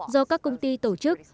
do các công ty tổ chức